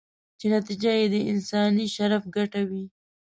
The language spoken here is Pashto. چې نتیجه یې د انساني شرف ګټه وي.